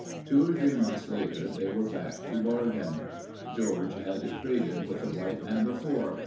Two or three months later they were back to bargain. George had traded with the white man before.